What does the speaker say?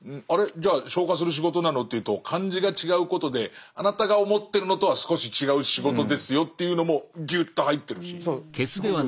じゃあ「消火」する仕事なの？というと漢字が違うことであなたが思ってるのとは少し違う仕事ですよっていうのもギュッと入ってるし魅力的。